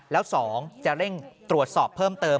แล้ว๒จะเร่งตรวจสอบเพิ่มเติม